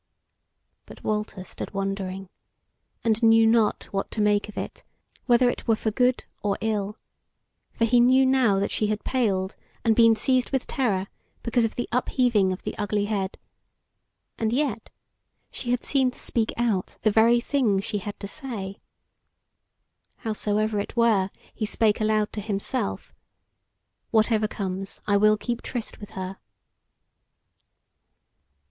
But Walter stood wondering, and knew not what to make of it, whether it were for good or ill: for he knew now that she had paled and been seized with terror because of the upheaving of the ugly head; and yet she had seemed to speak out the very thing she had to say. Howsoever it were, he spake aloud to himself: Whatever comes, I will keep tryst with her.